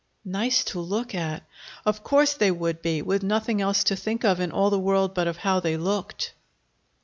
Nice to look at! Of course they would be, with nothing else to think of in all the world but of how they looked.